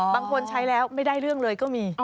บางคนใช้แล้วไม่ได้เรื่องเลยก็มี